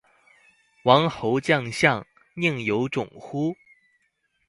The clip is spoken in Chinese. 王侯将相，宁有种乎